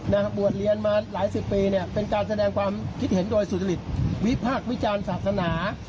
น่ะบวชเรียนมาหลายสิบปีนี้เป็นการแสดงความคิดเห็นโดยสูตรฤทธิ์หวิภาควิจารณา